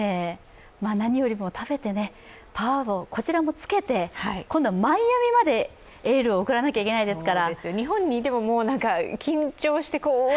何よりも食べて、パワーをこちらもつけて、今度はマイアミまでエールを送らなければいけませんから。